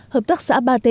hợp tác xã bà nguyên